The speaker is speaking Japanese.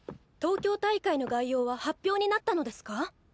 東京大会の概要は発表になったのですか？